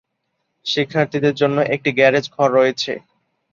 শিক্ষার্থীদের জন্য একটি গ্যারেজ ঘর রয়েছে।